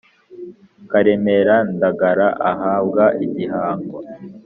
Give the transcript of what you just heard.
karemera ndagara ahabwa igihango